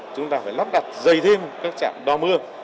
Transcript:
chúng ta phải lắp đặt dày thêm các chạm đo mưa